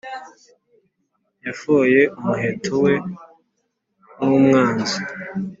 Yafoye umuheto we nk’umwanzi,